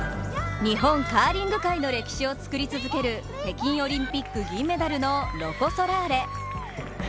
日本カーリング界の歴史を作り続ける、北京オリンピック銀メダルのロコ・ソラーレ。